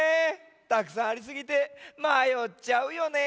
たくさんありすぎてまよっちゃうよね。